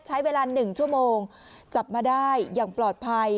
ใช้เวลา๑ชั่วโมงจับมาได้อย่างปลอดภัย